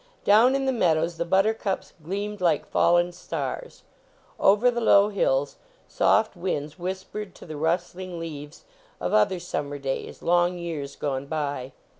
Down in the meadows the buttercups gleamed like fallen stars. Over the low hills soft winds whispered to tin rustling leaves of other sum mer days, long years gone by.